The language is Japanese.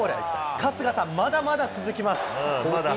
春日さん、まだまだ続きます。